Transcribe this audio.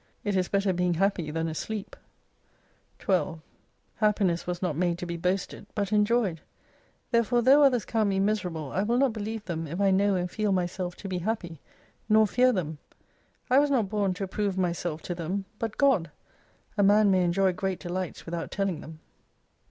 It is better being happy tlian asleep. 12 Happiness was not made to be boasted, but enjoyed. Therefore tho' others count me miserable, I will not believe them if I know and feel myself to be happy ; nor fear them. I was not born to approve myself ta them, but God. A man may enjoy great delights, without telling them.